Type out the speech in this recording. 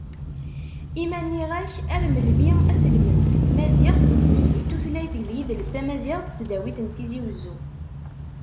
I ma nniɣ-k ar melmi aselmeds tmaziɣt deg ugezdu n tutlayt d yidles amaziɣ n tesdawit n Tizi Uzzu?